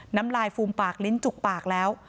น้ำลายฟูมปากลิ้นจุกปากแล้ว